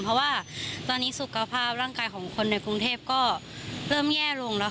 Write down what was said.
เพราะว่าตอนนี้สุขภาพร่างกายของคนในกรุงเทพก็เริ่มแย่ลงแล้ว